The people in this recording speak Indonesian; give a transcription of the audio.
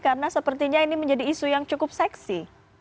karena sepertinya ini menjadi isu yang cukup seksi